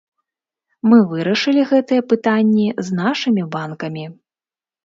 Мы вырашылі гэтыя пытанні з нашымі банкамі.